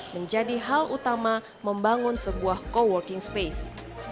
menjadi hal utama membangun sebuah co working space